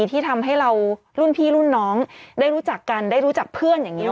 ที่ทำให้เรารุ่นพี่รุ่นน้องได้รู้จักกันได้รู้จักเพื่อนอย่างนี้